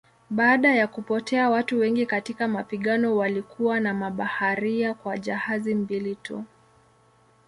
Baada ya kupotea watu wengi katika mapigano walikuwa na mabaharia kwa jahazi mbili tu.